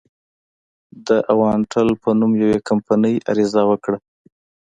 د اوانټل په نوم یوې کمپنۍ عریضه وکړه.